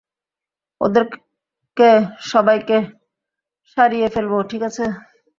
ওদেরকে সবাইকে সারিয়ে ফেলবো, ঠিক আছে?